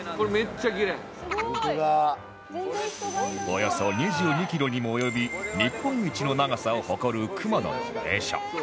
およそ２２キロにも及び日本一の長さを誇る熊野の名所